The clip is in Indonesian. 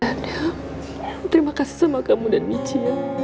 tante terima kasih sama kamu dan biji